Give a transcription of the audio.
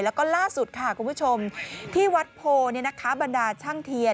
แล้วก็ล่าสุดค่ะคุณผู้ชมที่วัดโพบรรดาช่างเทียน